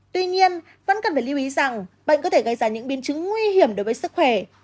tuy nhiên vẫn cần phải lưu ý rằng bệnh có thể gây ra những biến chứng nguy hiểm đối với sức khỏe